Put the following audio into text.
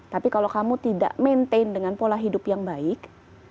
tapi kalau kamu tidak maintain dengan pola hidup yang baik